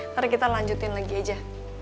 nanti kita lanjutin lagi aja